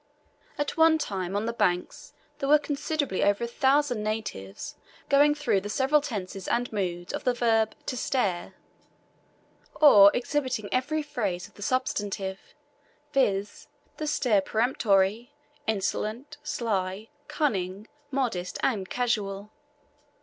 At one time on the banks there were considerably over a thousand natives going through the several tenses and moods of the verb "to stare," or exhibiting every phase of the substantive, viz. the stare peremptory, insolent, sly, cunning, modest, and casual.